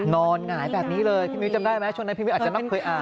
หงายแบบนี้เลยพี่มิ้วจำได้ไหมช่วงนั้นพี่วิวอาจจะต้องเคยอ่าน